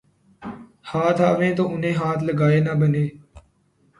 ہاتھ آویں تو انہیں ہاتھ لگائے نہ بنے